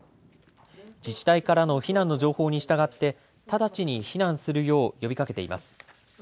自治体からの避難の情報に従って直ちに避難するよう呼びかけています。